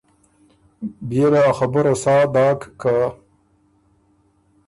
بيې له ا خبُره سا داک که